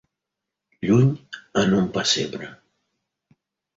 Lluny en un pessebre.